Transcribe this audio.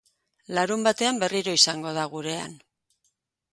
Larunbatean berriro izango da gurean.